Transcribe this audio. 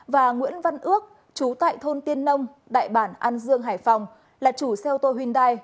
và nguyễn văn ước chú tại thôn tiên nông đại bản an dương hải phòng là chủ xe ô tô hyundai